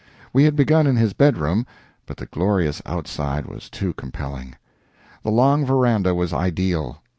We had begun in his bedroom, but the glorious outside was too compelling. The long veranda was ideal.